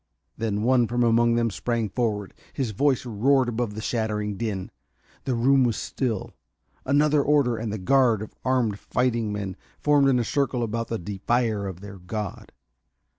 Then one from among them sprang forward. His voice roared above the shattering din. The room was still. Another order, and the guard of armed fighting men formed in a circle about the defier of their god.